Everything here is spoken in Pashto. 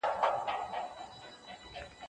ډېر خلک د خوندي خوړو په اړه پوښتنې لري.